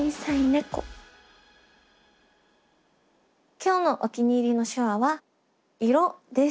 今日のお気に入りの手話は「色」です。